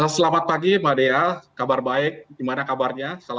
selamat pagi mada kabar baik gimana kabarnya